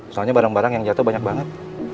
soalnya barang barang yang jatuh banyak banget